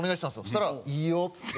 そしたら「いいよ」っつって。